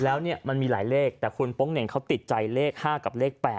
แล้วเนี่ยมันมีหลายเลขแต่คุณโป๊งเหน่งเขาติดใจเลข๕กับเลข๘